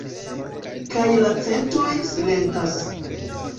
Kaj la centoj silentas.